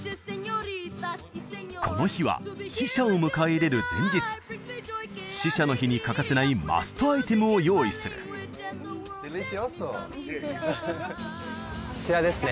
この日は死者を迎え入れる前日死者の日に欠かせないマストアイテムを用意するこちらですね